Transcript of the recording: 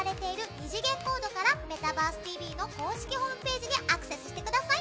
２次元コードから「メタバースＴＶ！！」の公式ホームページにアクセスしてください。